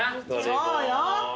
そうよ。